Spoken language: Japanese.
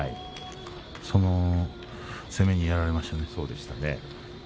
その攻めに天空海はやられましたね。